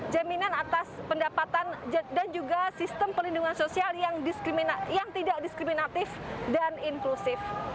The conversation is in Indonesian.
jaminan atas pendapatan dan juga sistem perlindungan sosial yang tidak diskriminatif dan inklusif